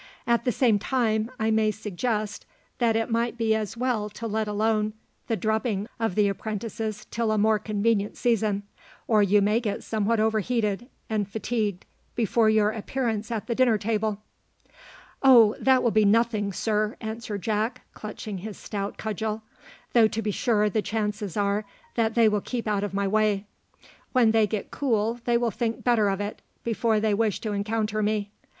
At the same time, I may suggest that it might be as well to let alone the drubbing of the apprentices till a more convenient season, or you may get somewhat overheated and fatigued before your appearance at the dinner table." "Oh, that will be nothing, sir!" answered Jack, clutching his stout cudgel; "though to be sure the chances are that they will keep out of my way. When they get cool they will think better of it, before they will wish to encounter me.